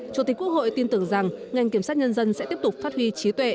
chủ tịch quốc hội tin tưởng rằng ngành kiểm sát nhân dân sẽ tiếp tục phát huy trí tuệ